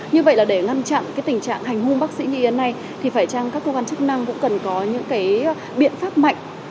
như vậy là để ngăn chặn cái tình trạng hành hung bác sĩ như hiện nay thì phải chăng các cơ quan chức năng cũng cần có những cái biện pháp mạnh